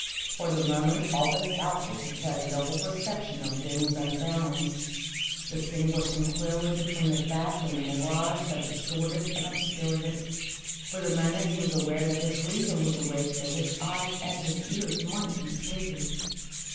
For the moment all his faculties had a double perception of things and sounds, distinguishing clearly between the fact and the mirage that distorted and obscured it. For the moment he was aware that his reason was awake though his eyes and his ears might be sleeping.